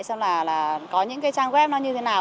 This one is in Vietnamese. xem là là có những cái trang web nó như thế nào